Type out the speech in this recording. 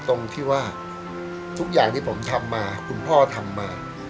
ตรงที่ว่าทุกอย่างที่ผมทำมาคุณพ่อทำมา